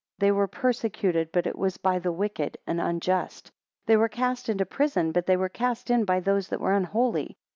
4 They were persecuted, but it was by the wicked and unjust. 5 They were cast into prison, but they were cast in by those that were unholy.